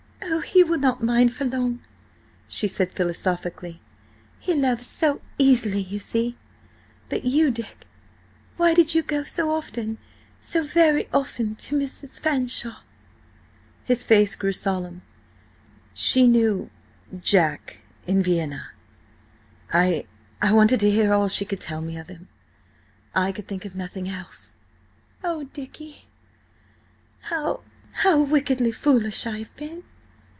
"Oh, he will not mind for long," she said philosophically. "He loves so easily, you see! But you, Dick–why did you go so often–so very often to see Mrs. Fanshawe?" His face grew solemn. "She knew–Jack–in Vienna— I–I wanted to hear all she could tell me of him–I could think of nothing else." "Oh, Dicky! How–how wickedly foolish I have been!